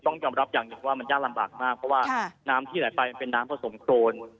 ต้องยอมรับอย่างหนึ่งว่ามันยากลำบากมากเพราะว่าน้ำที่ไหลไปมันเป็นน้ำผสมโครน